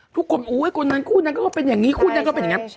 ภายในคนคนนั้นก็เป็นอย่างงี้คุณก็เป็นอย่างนั้น